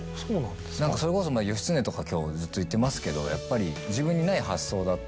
何かそれこそ義経とか今日ずっと言ってますけどやっぱり。